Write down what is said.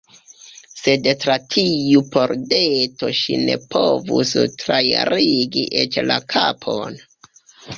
Sed tra tiu pordeto ŝi ne povus trairigi eĉ la kapon!